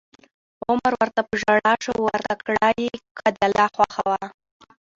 عمر ورته په ژړا شو او ورته کړه یې: که د الله خوښه وه